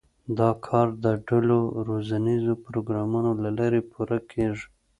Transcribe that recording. دا کار د ډلو روزنیزو پروګرامونو له لارې پوره کېږي.